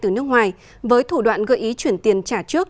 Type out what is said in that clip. từ nước ngoài với thủ đoạn gợi ý chuyển tiền trả trước